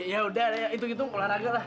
ya udah yaudah itu itu olahraga lah